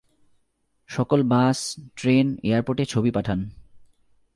সকল bus, train, এয়ারপোর্টে ছবি পাঠান।